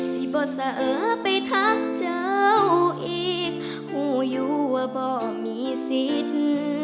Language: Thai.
สิบ่สะเออไปทักเจ้าอีกฮู้อยู่ว่าบ่มีสิทธิ์